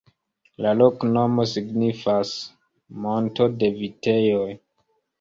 La loknomo signifas: "monto de vitejoj.